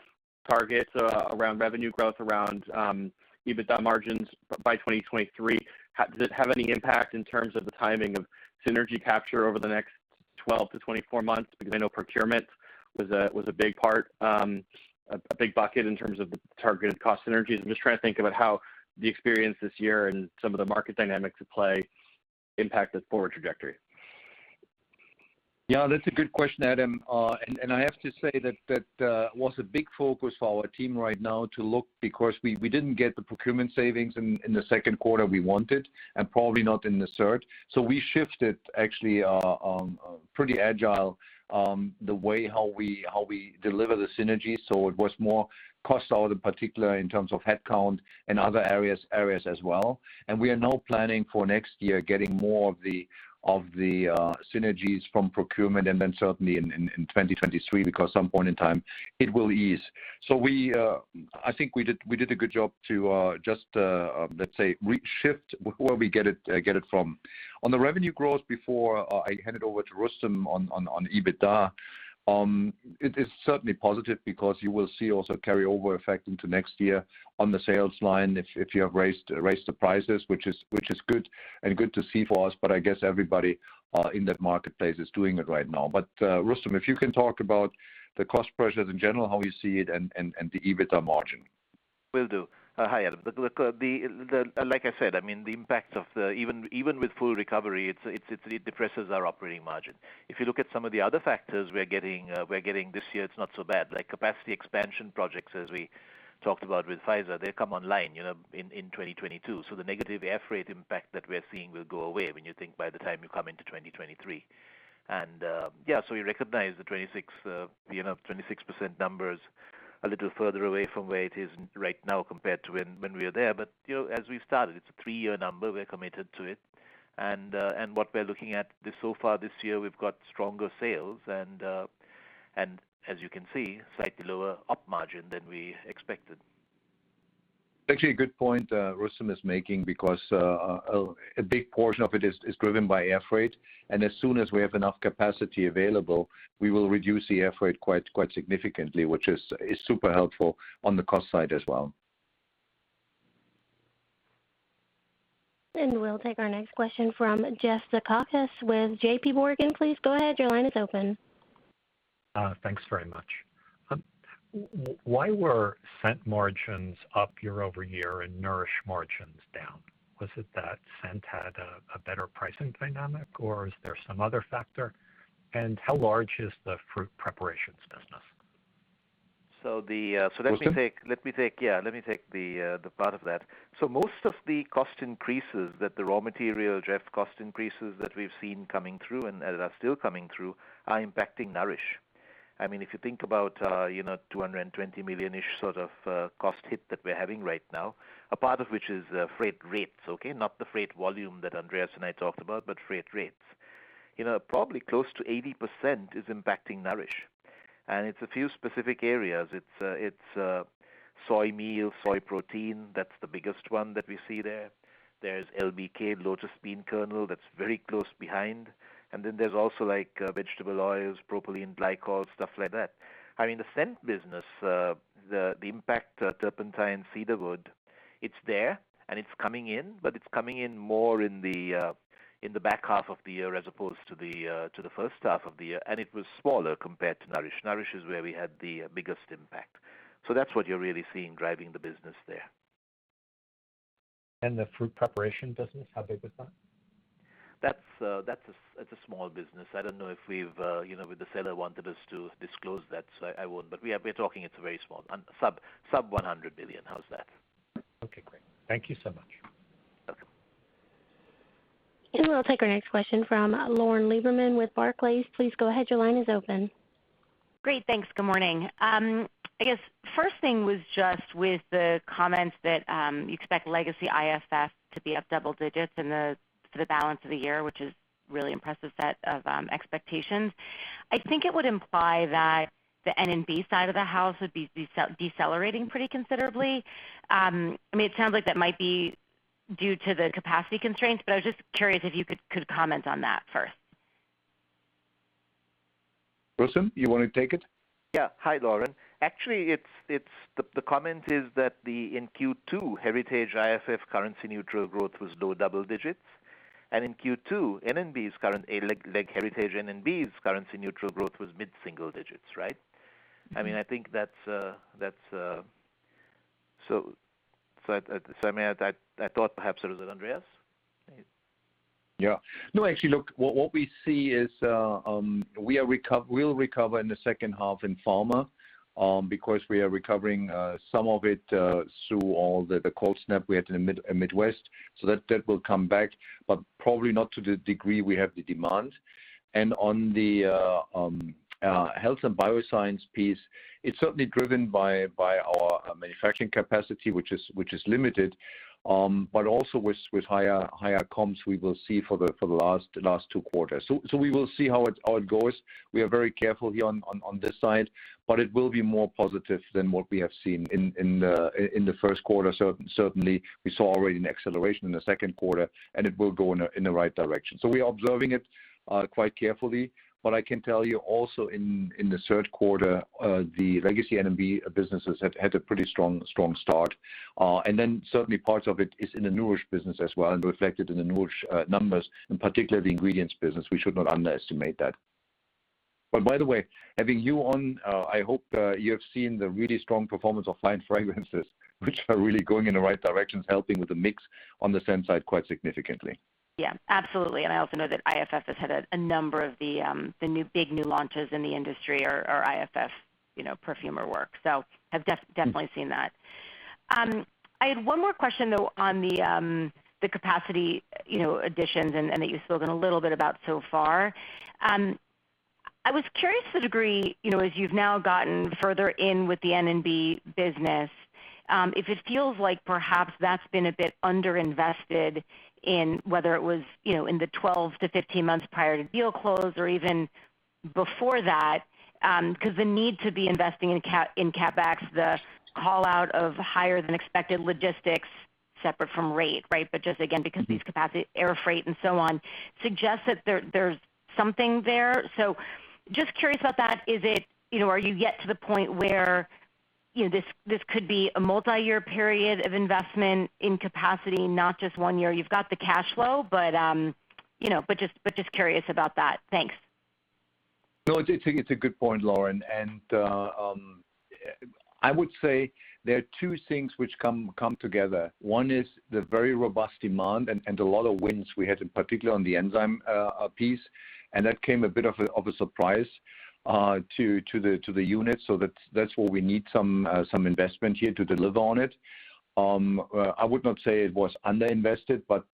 Speaker 10: targets around revenue growth, around EBITDA margins by 2023? Does it have any impact in terms of the timing of synergy capture over the next 12-24 months? I know procurement was a big part, a big bucket in terms of the targeted cost synergies. I'm just trying to think about how the experience this year and some of the market dynamics at play impact the forward trajectory.
Speaker 2: Yeah, that's a good question, Adam. I have to say that that was a big focus for our team right now to look because we didn't get the procurement savings in the second quarter we wanted, probably not in the third. We shifted actually pretty agile the way how we deliver the synergies. It was more cost out in particular in terms of headcount and other areas as well. We are now planning for next year, getting more of the synergies from procurement and then certainly in 2023, because some point in time it will ease. I think we did a good job to just let's say, reshift where we get it from. On the revenue growth before I hand it over to Rustom on EBITDA, it is certainly positive because you will see also carryover effect into next year on the sales line if you have raised the prices, which is good and good to see for us, but I guess everybody in that marketplace is doing it right now. Rustom, if you can talk about the cost pressures in general, how you see it, and the EBITDA margin.
Speaker 3: Will do. Hi, Adam. Like I said, even with full recovery, it depresses our operating margin. If you look at some of the other factors we're getting this year, it's not so bad, like capacity expansion projects, as we talked about with Pfizer, they come online in 2022. The negative air freight impact that we're seeing will go away when you think by the time you come into 2023. Yeah, we recognize the 26% number is a little further away from where it is right now compared to when we were there. As we've started, it's a three-year number. We're committed to it, and what we're looking at so far this year, we've got stronger sales and, as you can see, slightly lower op margin than we expected.
Speaker 2: Actually, a good point Rustom Jilla is making because a big portion of it is driven by air freight, and as soon as we have enough capacity available, we will reduce the air freight quite significantly, which is super helpful on the cost side as well.
Speaker 4: We'll take our next question from Jeff Zekauskas with JPMorgan. Please go ahead. Your line is open.
Speaker 11: Thanks very much. Why were Scent margins up year-over-year and Nourish margins down? Was it that Scent had a better pricing dynamic, or is there some other factor? How large is the fruit preparations business?
Speaker 3: So the-
Speaker 2: Rustom?
Speaker 3: Yeah. Let me take the part of that. Most of the cost increases, the raw material drift cost increases that we've seen coming through and that are still coming through, are impacting Nourish. If you think about, $220 million-ish sort of cost hit that we're having right now, a part of which is freight rates, okay? Not the freight volume that Andreas and I talked about, but freight rates. Probably close to 80% is impacting Nourish. It's a few specific areas. It's soy meal, soy protein, that's the biggest one that we see there. There's LBG, locust bean gum, that's very close behind. Then there's also vegetable oils, propylene glycol, stuff like that. I mean, the Scent business, the impact, turpentine, cedarwood, it's there and it's coming in, but it's coming in more in the back half of the year as opposed to the first half of the year. It was smaller compared to Nourish. Nourish is where we had the biggest impact. That's what you're really seeing driving the business there.
Speaker 11: The fruit preparation business, how big was that?
Speaker 3: That's a small business. I don't know if the seller wanted us to disclose that, so I won't. We're talking it's very small. Sub-$100 million. How's that?
Speaker 11: Okay, great. Thank you so much.
Speaker 3: Okay.
Speaker 4: We'll take our next question from Lauren Lieberman with Barclays. Please go ahead. Your line is open.
Speaker 12: Great. Thanks. Good morning. I guess first thing was just with the comments that you expect legacy IFF to be up double-digits for the balance of the year, which is really impressive set of expectations. I think it would imply that the N&B side of the house would be decelerating pretty considerably. It sounds like that might be due to the capacity constraints, I was just curious if you could comment on that first.
Speaker 2: Rustom Jilla, you want to take it?
Speaker 3: Yeah. Hi, Lauren. Actually, the comment is that in Q2, Heritage IFF currency neutral growth was low double digits. In Q2, Heritage N&B's currency neutral growth was mid-single digits, right? I thought perhaps sort of Andreas?
Speaker 2: Yeah. No, actually, look, what we see is, we'll recover in the second half in pharma, because we are recovering, some of it through all the cold snap we had in the Midwest. That will come back, probably not to the degree we have the demand. On the Health & Biosciences piece, it's certainly driven by our manufacturing capacity, which is limited. Also with higher comps, we will see for the last two quarters. We will see how it all goes. We are very careful here on this side, it will be more positive than what we have seen in the first quarter. Certainly, we saw already an acceleration in the second quarter, it will go in the right direction. We are observing it quite carefully. What I can tell you in the third quarter, the legacy N&B businesses have had a pretty strong start. Certainly parts of it is in the Nourish business as well and reflected in the Nourish numbers, particularly the ingredients business. We should not underestimate that. By the way, having you on, I hope that you have seen the really strong performance of Fine Fragrances, which are really going in the right directions, helping with the mix on the Scent side quite significantly.
Speaker 12: Absolutely. I also know that IFF has had a number of the big new launches in the industry are IFF perfumer work. I've definitely seen that. I had one more question, though, on the capacity additions and that you've spoken a little bit about so far. I was curious the degree, as you've now gotten further in with the N&B business, if it feels like perhaps that's been a bit underinvested in, whether it was in the 12-15 months prior to deal close or even before that, because the need to be investing in CapEx, the call out of higher than expected logistics separate from rate, right? Just again, because these capacity air freight and so on, suggests that there's something there. Just curious about that. Are you yet to the point where this could be a multi-year period of investment in capacity, not just one year? You've got the cash flow, but just curious about that. Thanks.
Speaker 2: No, it's a good point, Lauren. I would say there are two things which come together. One is the very robust demand and a lot of wins we had, in particular on the enzyme piece. That came a bit of a surprise to the unit. That's where we need some investment here to deliver on it. I would not say it was under-invested, but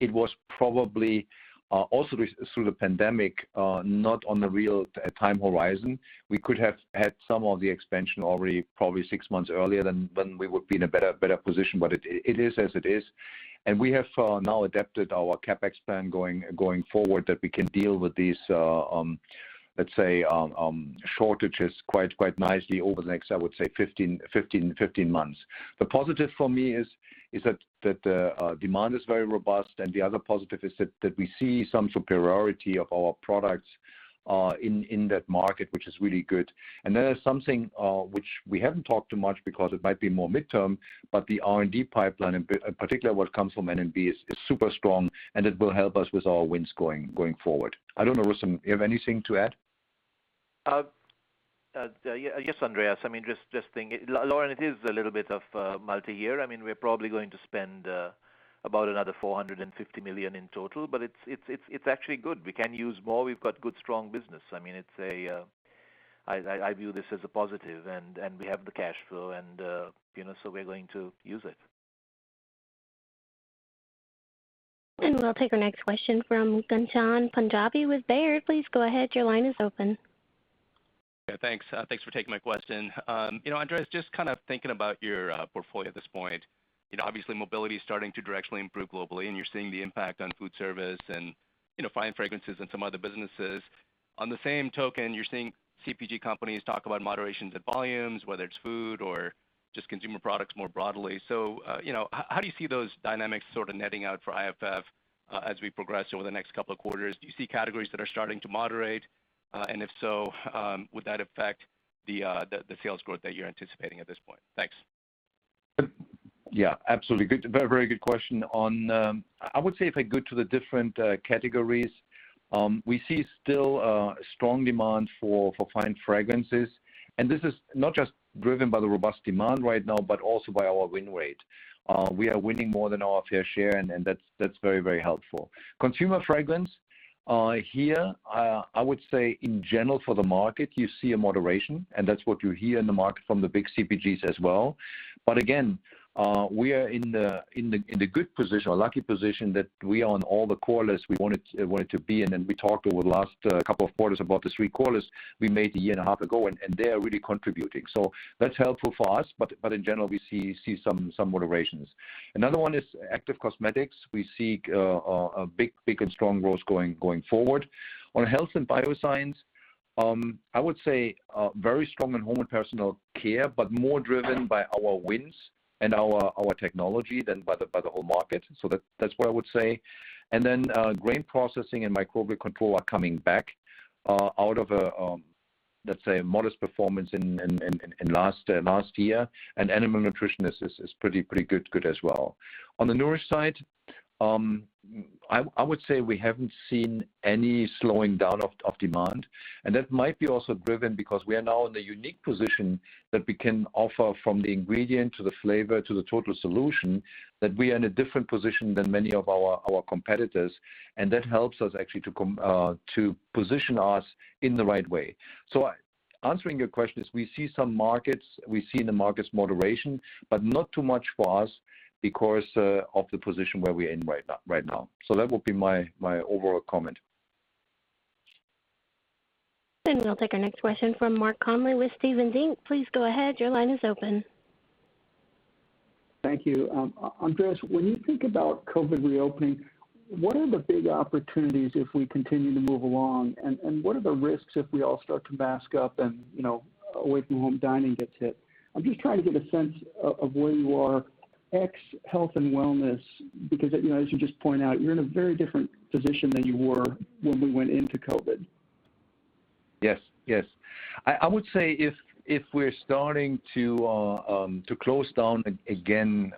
Speaker 2: it was probably also through the pandemic, not on the real time horizon. We could have had some of the expansion already probably six months earlier, then we would be in a better position. It is as it is. We have now adapted our CapEx plan going forward that we can deal with these, let's say, shortages quite nicely over the next, I would say 15 months. The positive for me is that the demand is very robust. The other positive is that we see some superiority of our products in that market, which is really good. There's something which we haven't talked too much because it might be more midterm, but the R&D pipeline, in particular what comes from N&B, is super strong. It will help us with our wins going forward. I don't know, Rustom, you have anything to add?
Speaker 3: Yes, Andreas. Lauren, it is a little bit of multi-year. We're probably going to spend about another $450 million in total. It's actually good. We can use more. We've got good, strong business. I view this as a positive. We have the cash flow. We're going to use it.
Speaker 4: We'll take our next question from Ghansham Panjabi with Baird. Please go ahead.
Speaker 13: Thanks. Thanks for taking my question. Andreas, just thinking about your portfolio at this point. Obviously mobility is starting to directly improve globally, and you're seeing the impact on food service and Fine Fragrances and some other businesses. On the same token, you're seeing CPG companies talk about moderations at volumes, whether it's food or just consumer products more broadly. How do you see those dynamics sort of netting out for IFF as we progress over the next couple of quarters? Do you see categories that are starting to moderate? If so, would that affect the sales growth that you're anticipating at this point? Thanks.
Speaker 2: Yeah, absolutely. Very good question. I would say if I go to the different categories, we see still a strong demand for Fine Fragrance. This is not just driven by the robust demand right now, but also by our win rate. We are winning more than our fair share, and that's very helpful. Consumer Fragrance, here I would say in general for the market, you see a moderation, and that's what you hear in the market from the big CPGs as well. Again, we are in the good position or lucky position that we are on all the callers we wanted to be in, and we talked over the last couple of quarters about the three callers we made a year and a half ago, and they are really contributing. That's helpful for us. In general, we see some moderations. Another one is active cosmetics. We see a big and strong growth going forward. Health & Biosciences, I would say very strong in Home & Personal Care, but more driven by our wins and our technology than by the whole market. That's what I would say. Grain Processing and Microbial Control are coming back out of a, let's say, modest performance in last year. Animal Nutrition is pretty good as well. The Nourish side, I would say we haven't seen any slowing down of demand. That might be also driven because we are now in the unique position that we can offer from the ingredient to the flavor to the total solution, that we are in a different position than many of our competitors. That helps us actually to position us in the right way. Answering your question is we see some markets, we see in the markets moderation, but not too much for us because of the position where we are in right now. That would be my overall comment.
Speaker 4: We'll take our next question from Mark Connelly with Stephens Inc. Please go ahead. Your line is open.
Speaker 14: Thank you. Andreas, when you think about COVID reopening, what are the big opportunities if we continue to move along? What are the risks if we all start to mask up and away-from-home dining gets hit? I'm just trying to get a sense of where you are ex health and wellness, because as you just point out, you're in a very different position than you were when we went into COVID.
Speaker 2: Yes. I would say if we're starting to close down again,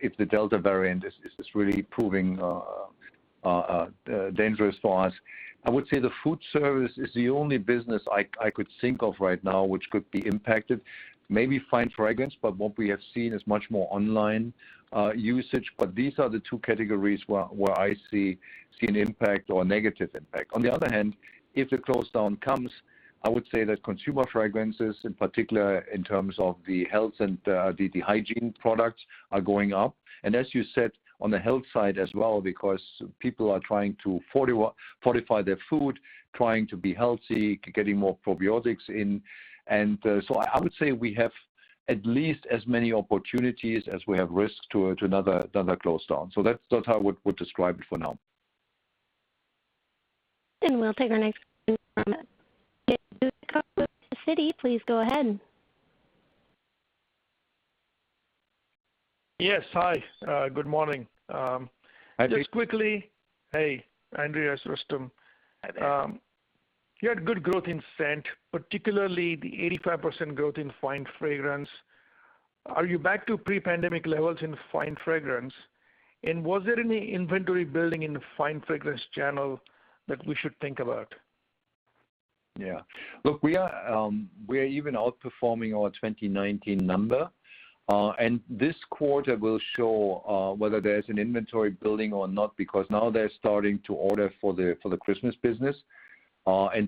Speaker 2: if the Delta variant is really proving dangerous for us, I would say the food service is the only business I could think of right now which could be impacted. Fine Fragrance, what we have seen is much more online usage. These are the two categories where I see an impact or a negative impact. On the other hand, if the close down comes, I would say that Consumer Fragrances, in particular in terms of the health and the hygiene products, are going up. As you said, on the health side as well, because people are trying to fortify their food, trying to be healthy, getting more probiotics in. I would say we have at least as many opportunities as we have risks to another close down. That's how I would describe it for now.
Speaker 4: We'll take our next from Citi. Please go ahead.
Speaker 15: Yes. Hi. Good morning.
Speaker 2: Hi.
Speaker 15: Hey, Andreas, Rustom.
Speaker 3: Hi there.
Speaker 15: You had good growth in Scent, particularly the 85% growth in Fine Fragrance. Are you back to pre-pandemic levels in Fine Fragrance? Was there any inventory building in the Fine Fragrance channel that we should think about?
Speaker 2: Yeah. Look, we are even outperforming our 2019 number. This quarter will show whether there's an inventory building or not, because now they're starting to order for the Christmas business.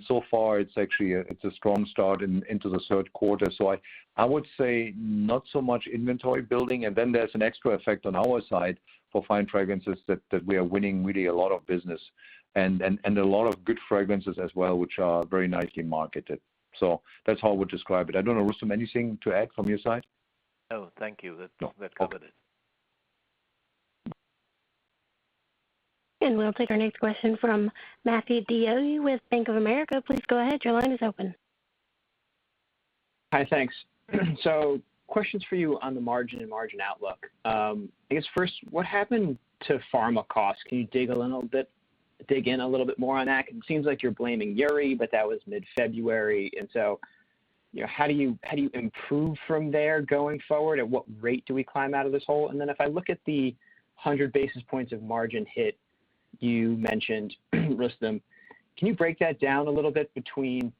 Speaker 2: So far, it's a strong start into the third quarter. I would say not so much inventory building, and then there's an extra effect on our side for Fine Fragrances that we are winning really a lot of business and a lot of good fragrances as well, which are very nicely marketed. That's how I would describe it. I don't know, Rustom, anything to add from your side?
Speaker 3: No, thank you. That covered it.
Speaker 2: No. Okay.
Speaker 4: We'll take our next question from Matthew DeYoe with Bank of America. Please go ahead. Your line is open.
Speaker 16: Hi, thanks. Questions for you on the margin and margin outlook. I guess first, what happened to pharma costs? Can you dig in a little bit more on that? It seems like you're blaming Uri, but that was mid-February. How do you improve from there going forward? At what rate do we climb out of this hole? If I look at the 100 basis points of margin hit you mentioned, Rustom, can you break that down a little between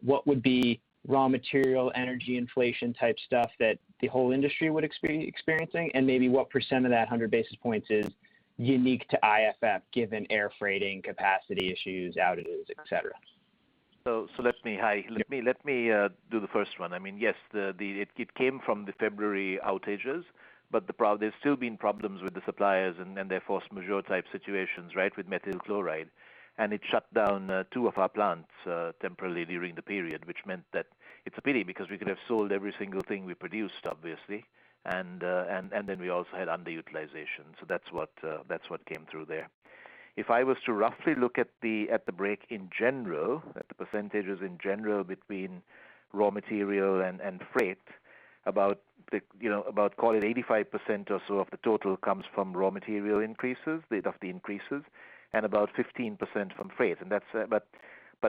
Speaker 16: what would be raw material, energy inflation type stuff that the whole industry would experiencing, and maybe what % of that 100 basis points is unique to IFF, given air freighting capacity issues, outages, et cetera?
Speaker 3: Let me-- Hi. Let me do the first one. Yes, it came from the February outages, but there's still been problems with the suppliers and their force majeure type situations, with methylcellulose. It shut down two of our plants temporarily during the period, which meant that it's a pity because we could have sold every single thing we produced, obviously. Then we also had underutilization. That's what came through there. If I was to roughly look at the break in general, at the percentages in general between raw material and freight, about call it 85% or so of the total comes from raw material increases, bit of the increases, and about 15% from freight.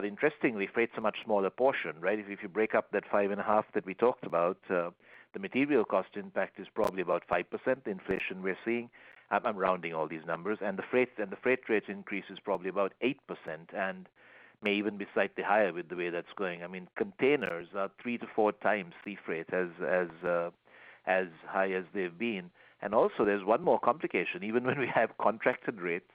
Speaker 3: Interestingly, freight's a much smaller portion. If you break up that 5.5 that we talked about, the material cost impact is probably about 5% inflation we're seeing. I'm rounding all these numbers. The freight rate increase is probably about 8% and may even be slightly higher with the way that's going. Containers are 3-4x sea freight, as high as they've been. There's one more complication. Even when we have contracted rates,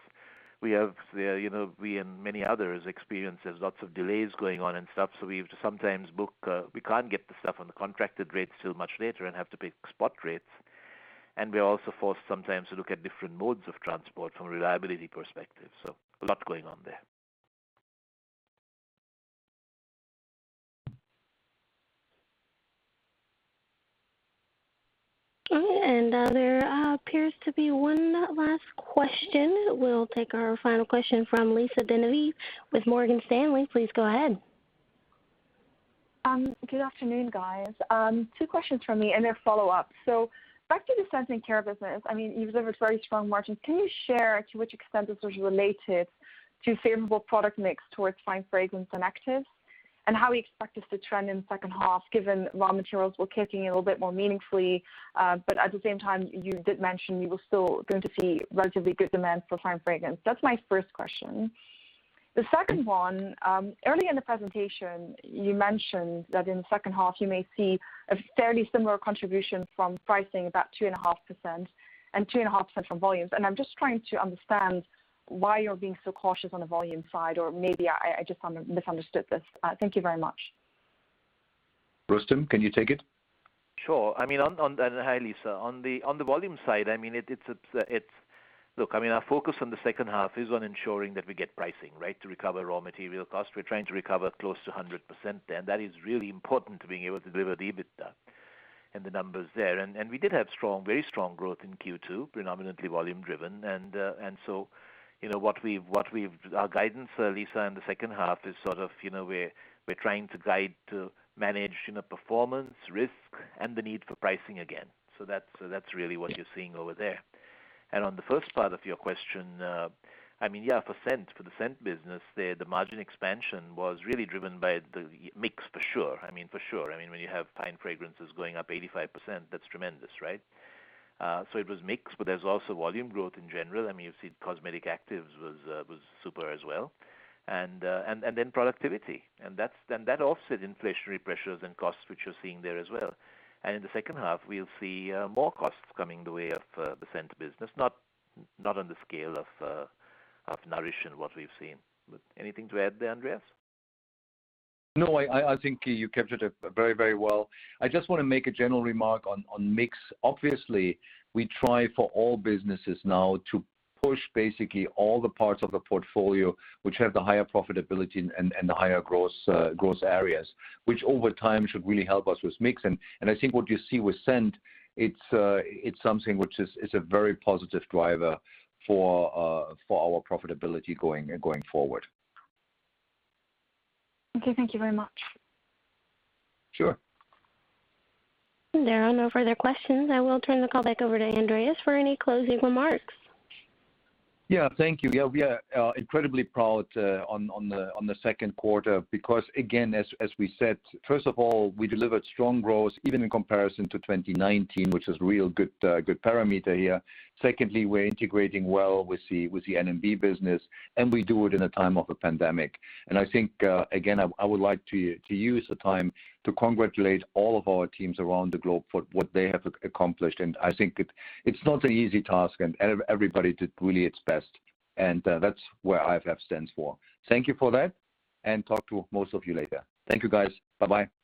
Speaker 3: we and many others experience there's lots of delays going on and stuff, we can't get the stuff on the contracted rates till much later and have to pay spot rates. We are also forced sometimes to look at different modes of transport from a reliability perspective. A lot going on there.
Speaker 4: Okay. There appears to be one last question. We'll take our final question from Lisa De Neve with Morgan Stanley. Please go ahead.
Speaker 17: Good afternoon, guys. two questions from me, they're follow-ups. Back to the Scent and care business. You delivered very strong margins. Can you share to which extent this was related to favorable product mix towards Fine Fragrance and Cosmetic Actives? How we expect this to trend in second half, given raw materials were kicking in a little bit more meaningfully. At the same time, you did mention you were still going to see relatively good demand for Fine Fragrance. That's my first question. The second one, early in the presentation, you mentioned that in the second half, you may see a fairly similar contribution from pricing, about 2.5% and 2.5% from volumes. I'm just trying to understand why you're being so cautious on the volume side, or maybe I just misunderstood this. Thank you very much.
Speaker 2: Rustom, can you take it?
Speaker 3: Sure. Hi, Lisa. On the volume side, our focus on the second half is on ensuring that we get pricing to recover raw material cost. We're trying to recover close to 100% there. That is really important to being able to deliver the EBITDA and the numbers there. We did have very strong growth in Q2, predominantly volume driven. Our guidance, Lisa, in the second half is we're trying to guide to manage performance, risk, and the need for pricing again. That's really what you're seeing over there. On the first part of your question, for Scent business, the margin expansion was really driven by the mix for sure. When you have Fine Fragrance going up 85%, that's tremendous. It was mix, but there's also volume growth in general. You see Cosmetic Actives was super as well. Then productivity. That offset inflationary pressures and costs, which you're seeing there as well. In the second half, we'll see more costs coming the way of the Scent business, not on the scale of Nourish and what we've seen. Anything to add there, Andreas?
Speaker 2: No, I think you captured it very well. I just want to make a general remark on mix. Obviously, we try for all businesses now to push basically all the parts of the portfolio which have the higher profitability and the higher growth areas, which over time should really help us with mix. I think what you see with Scent, it's something which is a very positive driver for our profitability going forward.
Speaker 17: Okay. Thank you very much.
Speaker 2: Sure.
Speaker 4: There are no further questions. I will turn the call back over to Andreas for any closing remarks.
Speaker 2: Yeah, thank you. We are incredibly proud on the second quarter because, again, as we said, first of all, we delivered strong growth even in comparison to 2019, which is real good parameter here. Secondly, we're integrating well with the N&B business, and we do it in a time of a pandemic. I think, again, I would like to use the time to congratulate all of our teams around the globe for what they have accomplished. I think it's not an easy task, and everybody did really its best, and that's where IFF stands for. Thank you for that, and talk to most of you later. Thank you, guys. Bye-bye.
Speaker 3: Bye-bye.